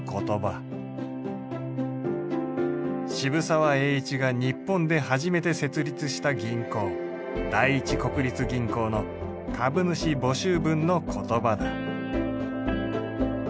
渋沢栄一が日本で初めて設立した銀行第一国立銀行の株主募集文の言葉だ。